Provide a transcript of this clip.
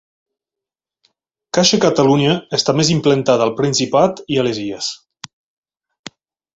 Caixa Catalunya està més implantada al Principat i a les Illes.